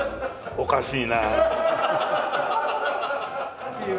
おかしいな。